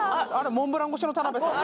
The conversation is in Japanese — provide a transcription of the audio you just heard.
モンブラン越しの田辺さん